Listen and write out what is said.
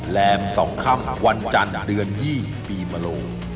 แหลมสองค่ำวันจันทร์เดือน๒ปีมรม